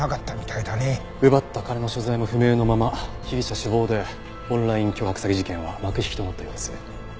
奪った金の所在も不明のまま被疑者死亡でオンライン巨額詐欺事件は幕引きとなったようです。